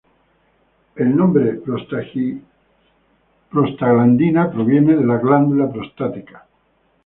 El nombre prostaglandina proviene de la glándula prostática.